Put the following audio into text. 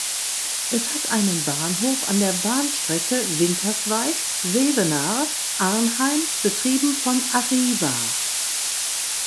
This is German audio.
Es hat einen Bahnhof an der Bahnstrecke Winterswijk–Zevenaar–Arnheim, betrieben von Arriva.